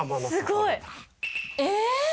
すごい。え！